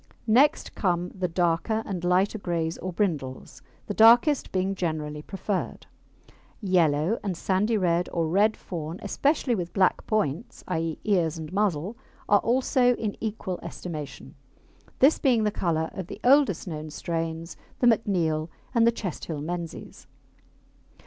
Next come the darker and lighter greys or brindles, the darkest being generally preferred. Yellow and sandy red or red fawn, especially with black points i.e., ears and muzzle are also in equal estimation, this being the colour of the oldest known strains, the McNeil and the Chesthill Menzies.